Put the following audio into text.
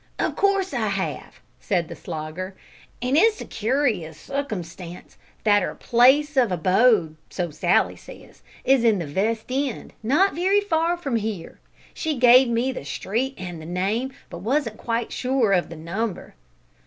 "Of course I have," said the Slogger, "and it's a curious suckumstance that 'er place of abode so Sally says is in the Vest End, not wery far from here. She gave me the street and the name, but wasn't quite sure of the number."